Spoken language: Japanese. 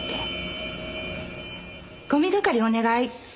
「ゴミ係お願い！」